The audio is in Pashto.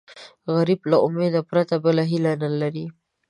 غریب له امید پرته بله هیله نه لري